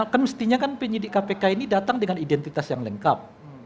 kan mestinya kan penyidik kpk ini datang dengan identitas yang lengkap